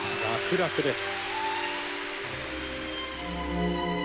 楽々です。